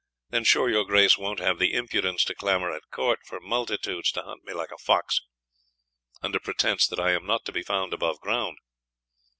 Then sure your Grace wont have the impudence to clamour att court for multitudes to hunt me like a fox, under pretence that I am not to be found above ground.